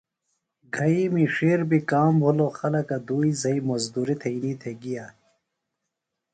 گھئِیمی ڇِھیر بیۡ کام بِھلوۡ۔ خلکہ دُئی زھئی مُزدُریۡ تھئینی تھےۡ گِیا۔